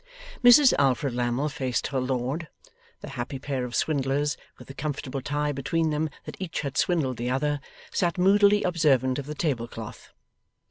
Mrs Alfred Lammle faced her lord. The happy pair of swindlers, with the comfortable tie between them that each had swindled the other, sat moodily observant of the tablecloth.